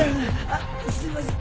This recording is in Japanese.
あっすいません。